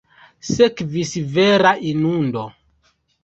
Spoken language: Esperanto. Sekvis vera inundo.